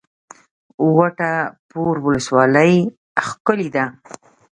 وټه پور ولسوالۍ ښکلې ده؟